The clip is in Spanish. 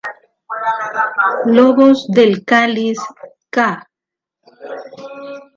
Lobos del cáliz ca.